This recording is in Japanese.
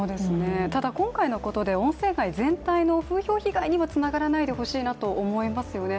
ただ今回のことで温泉街全体の風評被害にはつながらないでほしいなとは思いますよね。